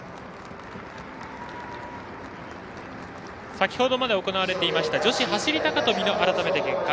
先ほどまで行われていました女子走り高跳びの改めて、結果。